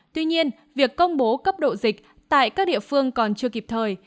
tuy nhiên việc công bố cấp độ dịch tại các địa phương còn chưa kịp thời